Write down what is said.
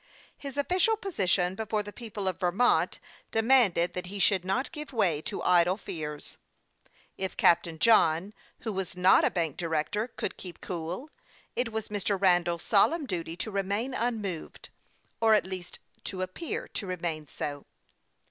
His official position before the people of Vermont de manded that he should not give way to idle fears. If Captain John, who was not a bank director, could keep cool, it was Mr. Randall's solemn duty to remain unmoved, or at least to appear to re main so.